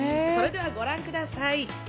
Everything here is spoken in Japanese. それでは御覧ください。